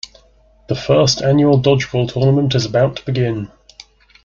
The First Annual Dodgeball Tournament is about to begin.